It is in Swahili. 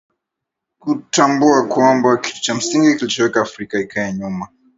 kutambua kwamba kitu cha msingi kilichoweka afrika ikae nyuma